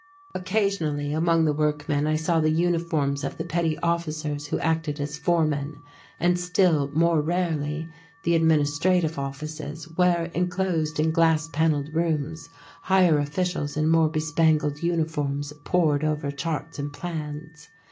Occasionally among the workmen I saw the uniforms of the petty officers who acted as foremen, and still more rarely the administrative offices, where, enclosed in glass panelled rooms, higher officials in more bespangled uniforms poured over charts and plans.